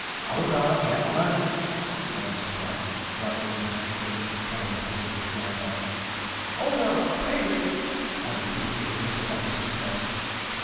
'Hold hard, gentlemen!' exclaimed Mr. Bragg, rising in his stirrups and telegraphing with his right arm. 'Hold hard! pray do!' added he, with little better success.